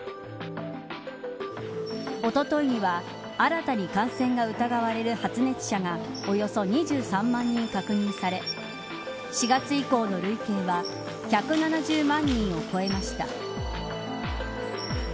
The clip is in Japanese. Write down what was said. おとといには新たに感染が疑われる発熱者がおよそ２３万人確認され４月以降の累計は１７０万人を超えました。